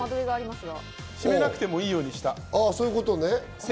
閉めなくてもいいようにした。